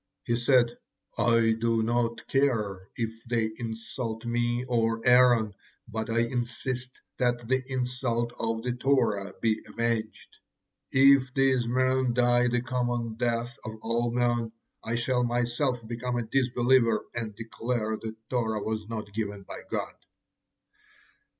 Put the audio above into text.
He said: "I do not care if they insult me or Aaron, but I insist that the insult of the Torah be avenged. 'If these men die the common death of all men,' I shall myself become a disbeliever and declare the Torah was not given by God."